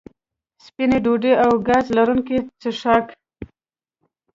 سپینې ډوډۍ او ګاز لرونکي څښاک